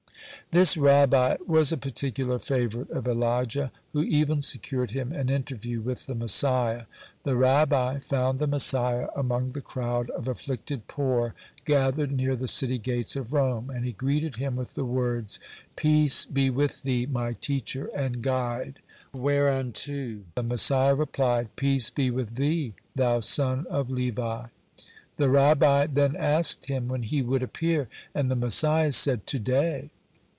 (90) This Rabbi was a particular favorite of Elijah, who even secured him an interview with the Messiah. The Rabbi found the Messiah among the crowd of afflicted poor gathered near the city gates of Rome, and he greeted him with the words: "Peace be with thee, my teacher and guide!" Whereunto the Messiah replied: "Peace be with thee, thou son of Levi!" The Rabbi then asked him when he would appear, and the Messiah said, "To day."